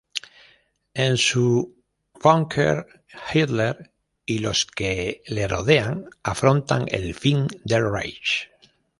En su bunker, Hitler y los que le rodean afrontan el fin del Reich.